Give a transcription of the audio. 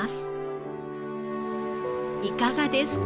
いかがですか？